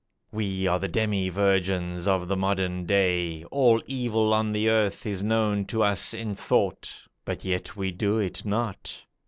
We are the demi virgins of the modern day; All evil on the earth is known to us in thought, But yet we do it not.